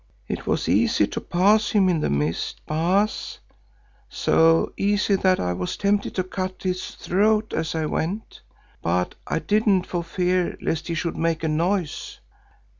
It was easy to pass him in the mist, Baas, so easy that I was tempted to cut his throat as I went, but I didn't for fear lest he should make a noise.